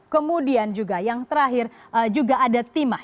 kemudian juga yang terakhir juga ada timah